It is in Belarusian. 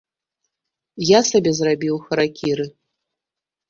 Я сабе зрабіў харакіры.